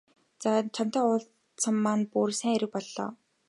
За чамтай уулзсан маань бүр сайн хэрэг боллоо.